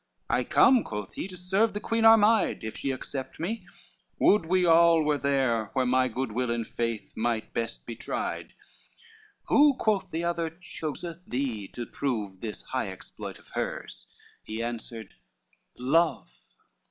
"I come," quoth he, "to serve the Queen Armide, If she accept me, would we all were there Where my good will and faith might best be tried." "Who," quoth the other, "choseth thee to prove This high exploit of hers?" He answered, "Love."